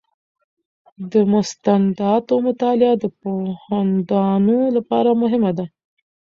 د مستنداتو مطالعه د پوهاندانو لپاره مهمه ده.